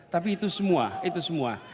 tapi itu semua